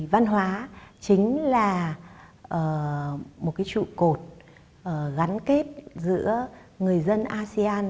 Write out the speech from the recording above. văn hóa chính là một trụ cột gắn kết giữa người dân asean